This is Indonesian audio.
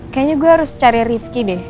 kayaknya gue harus cari rifki deh